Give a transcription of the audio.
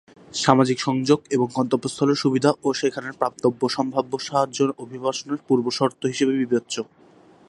সামাজিক সংযোগ এবং গন্তব্যস্থলের সুবিধা ও সেখানে প্রাপ্তব্য সম্ভাব্য সাহায্য অভিবাসনের পূর্বশর্ত হিসেবে বিবেচ্য।